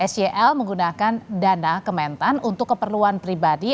sel menggunakan dana kementan untuk keperluan pribadi